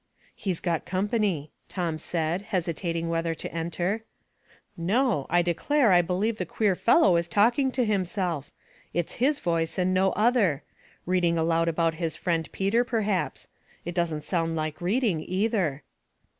" He's got company," Tom said, hesitating whether to enter. *' No ; I declare I believe the queer fellow is talking to himself. It's hi^ voice and no other. Reading aloud about his friend Peter, perhaps. It doesn't sound like reading, either."